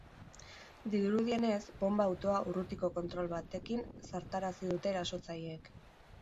Dirudienez, bonba-autoa urrutiko kontrol batekin zartarazi dute erasotzaileek.